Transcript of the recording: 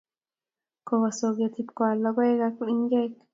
Kowo soget ipkwal logoek ak ingwek.